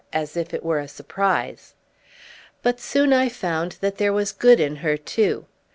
as if it were a surprise. But soon I found that there was good in her too.